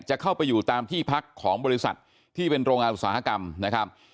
จะเข้าไปอยู่ตามที่พักของบริษัทที่เป็นโรงงานอุตสาหกรรมนะครับ